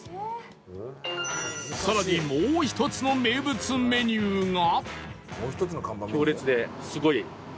さらにもう一つの名物メニューが